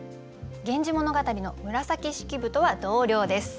「源氏物語」の紫式部とは同僚です。